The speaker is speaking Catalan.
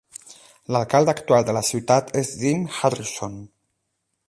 L'alcalde actual de la ciutat és Jim Harrison.